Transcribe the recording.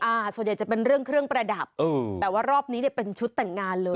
อ่าส่วนใหญ่จะเป็นเรื่องเครื่องประดับเออแต่ว่ารอบนี้เนี่ยเป็นชุดแต่งงานเลย